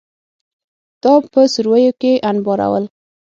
دا په سوریو کې انبارول